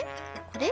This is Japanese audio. これ？